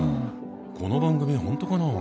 この番組本当かな？